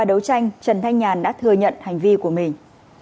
đấu tranh trần thanh nhàn đã thừa nhận hành vi của mình